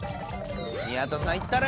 宮田さんいったれ！